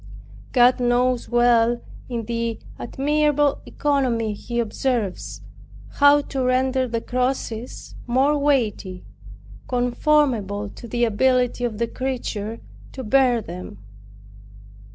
God knows well, in the admirable economy he observes, how to render the crosses more weighty, conformable to the ability of the creature to bear them.